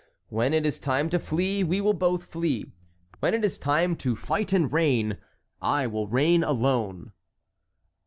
When it is time to flee, we will both flee. When it is time to fight and reign, I will reign alone."